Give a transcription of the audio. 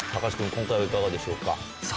今回はいかがでしょうか？